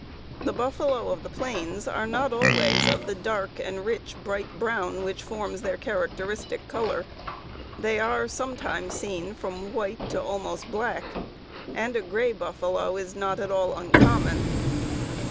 The buffalo of the plains are not always of the dark and rich bright brown which forms their characteristic color. They are sometimes seen from white to almost black, and a gray buffalo is not at all uncommon.